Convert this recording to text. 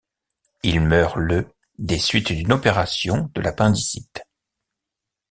Il meurt le des suites d'une opération de l'appendicite.